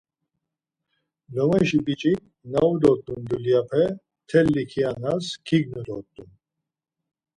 Lomeşi biç̌ik na vu dort̆un dulyape mteli kianas kignu dort̆un.